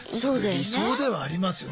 理想ではありますよね。